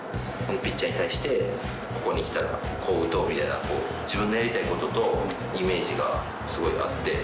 ピッチャーに対して、ここにきたらこう打とうみたいな、自分のやりたいこととイメージがすごい合って。